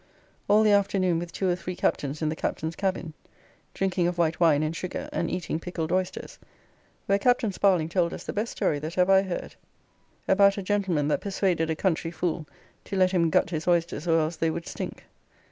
All the afternoon with two or three captains in the Captain's cabin, drinking of white wine and sugar, and eating pickled oysters, where Captain Sparling told us the best story that ever I heard, about a gentleman that persuaded a country fool to let him gut his oysters or else they would stink.